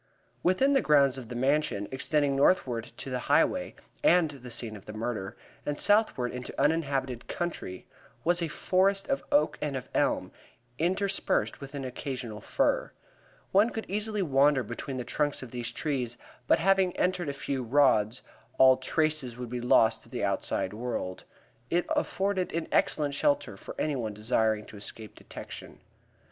Within the grounds of the Mansion, extending northward to the Highway and the scene of the murder, and southward into the uninhabited country, was a forest of oak and of elm, interspersed with an occasional fir. One could easily wander between the trunks of these trees, but having entered a few rods, all traces would be lost of the outside world. It afforded an excellent shelter for anyone desiring to escape detection.